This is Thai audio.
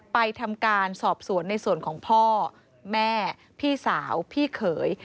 ทำการสอบสวนในส่วนของพ่อแม่พี่สาวพี่เขย